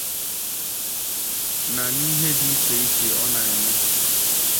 na n'ihe dị iche iche ọ na-eme